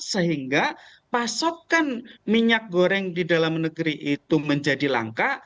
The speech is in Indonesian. sehingga pasokan minyak goreng di dalam negeri itu menjadi langka